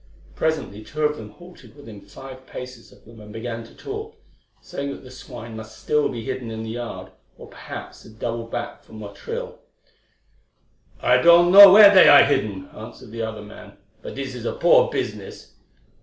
Presently two of them halted within five paces of them and began to talk, saying that the swine must still be hidden in the yard, or perhaps had doubled back for Motril. "I don't know where they are hidden," answered the other man; "but this is a poor business.